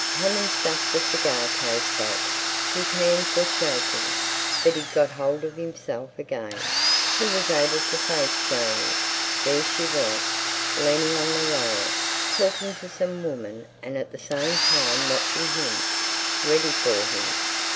Hammond stuffed the cigar case back. His hands were shaking, but he'd got hold of himself again. He was able to face Janey. There she was, leaning on the rail, talking to some woman and at the same time watching him, ready for him.